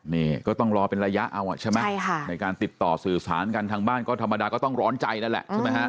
นี่ก็ต้องรอเป็นระยะเอาใช่ไหมใช่ค่ะในการติดต่อสื่อสารกันทางบ้านก็ธรรมดาก็ต้องร้อนใจนั่นแหละใช่ไหมฮะ